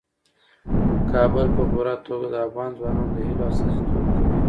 کابل په پوره توګه د افغان ځوانانو د هیلو استازیتوب کوي.